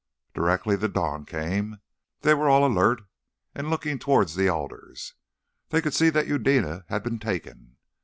Directly the dawn came they were all alert and looking towards the alders. They could see that Eudena had been taken.